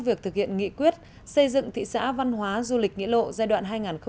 việc thực hiện nghị quyết xây dựng thị xã văn hóa du lịch nghĩa lộ giai đoạn hai nghìn một mươi sáu hai nghìn hai mươi